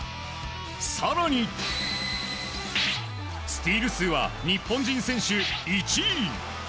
更に、スティール数は日本人選手１位。